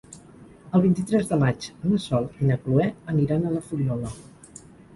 El vint-i-tres de maig na Sol i na Cloè aniran a la Fuliola.